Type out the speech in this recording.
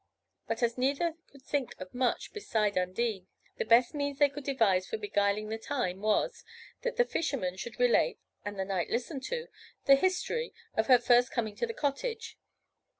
But as neither could think of much beside Undine, the best means they could devise for beguiling the time was, that the Fisherman should relate, and the Knight listen to, the history of her first coming to the cottage.